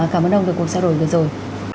cảm ơn ông về cuộc giao đổi vừa rồi